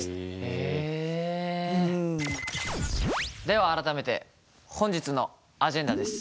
では改めて本日のアジェンダです。